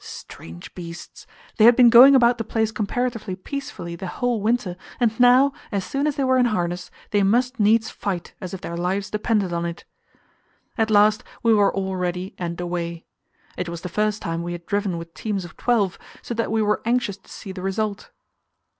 Strange beasts! They had been going about the place comparatively peacefully the whole winter, and now, as soon as they were in harness, they must needs fight as if their lives depended on it. At last we were all ready and away. It was the first time we had driven with teams of twelve, so that we were anxious to see the result.